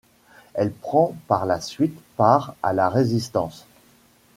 Elle prend par la suite part à la Résistance.